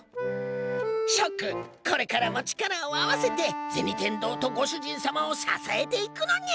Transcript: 諸君これからも力を合わせて銭天堂とご主人様を支えていくのにゃ！